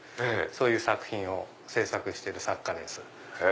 そういう作品を制作してる作家です。